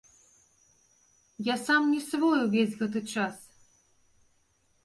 Я сам не свой увесь гэты час.